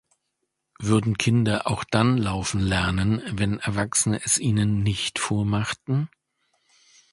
Würden Kinder auch dann laufen lernen, wenn Erwachsene es ihnen nicht vormachten?